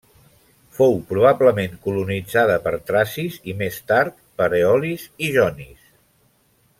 Fou probablement colonitzada per tracis i més tard per eolis i jonis.